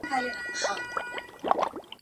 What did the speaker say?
تیارې خپل وروستي پاتې سیوري را ټول کړل.